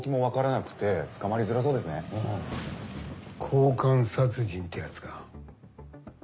交換殺人ってやつか。